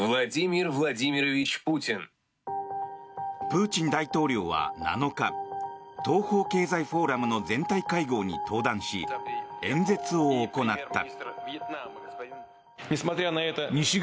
プーチン大統領は７日東方経済フォーラムの全体会合に登壇し演説を行った。